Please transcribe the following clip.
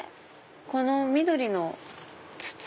この緑の筒？